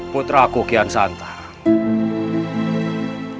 putraku kian santara